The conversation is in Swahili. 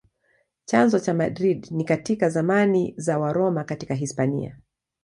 Chanzo cha Madrid ni katika zamani za Waroma katika Hispania.